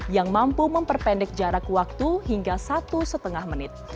yang mampu memperpendek jarak waktu hingga satu lima menit